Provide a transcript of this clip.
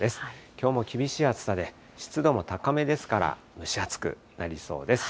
きょうも厳しい暑さで、湿度も高めですから、蒸し暑くなりそうです。